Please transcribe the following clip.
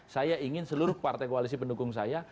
saya ingin seluruh partai koalisi pendukung saya